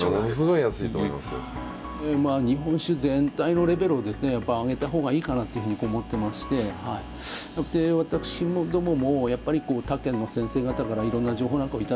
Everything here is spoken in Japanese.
まあ日本酒全体のレベルを上げた方がいいかなっていうふうに思ってまして私どももやっぱり他県の先生方からいろんな情報なんかを頂いてですね